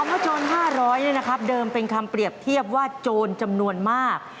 ว่าโจร๕๐๐นี่นะครับเดิมเป็นคำเปรียบเทียบว่าโจรจำนวนมาก